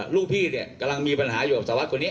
ลูกพี่เนี่ยกำลังมีปัญหาคุณเนี่ย